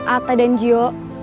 ata dan gio